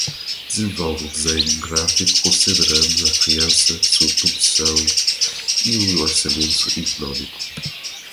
Desenvolve o design gráfico considerando a criação, sua produção e o orçamento econômico.